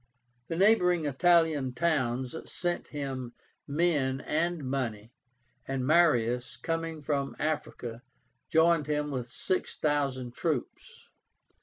The neighboring Italian towns sent him men and money, and Marius, coming from Africa, joined him with six thousand troops.